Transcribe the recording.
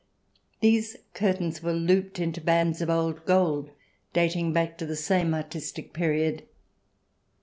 These curtains were looped into bands of old gold, dating back to the same artistic period.